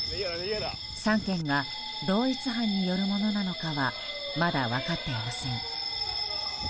３件が同一犯によるものなのかはまだ分かっていません。